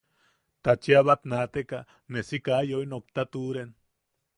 Ta cheʼa bat naateka ne si kaa yoi nokta tuʼuren.